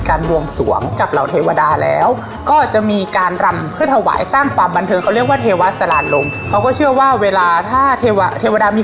ที่พัฒนาอะไรเนี้ยแล้วการรำบวงสวงเทพแต่ละองค์มี